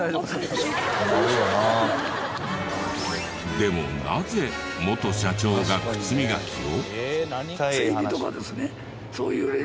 でもなぜ元社長が靴磨きを？